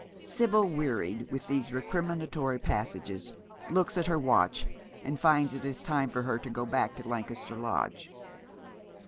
Sibyl, wearied with these recriminatory passages, looks at her watch, and finds that it is time for her to go back to Lancaster Lodge.